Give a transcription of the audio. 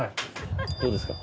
どうですか？